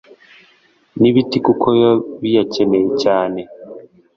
n’ibiti kuko biba biyakeneye cyane.